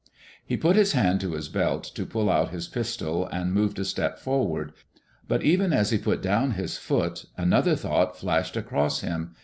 He put his hand to his belt to pull out his pistol and moved a step forward. But even as he put down his foot, another thought flashed across him.